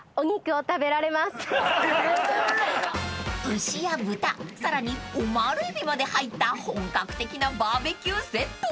［牛や豚さらにオマールエビまで入った本格的なバーベキューセット］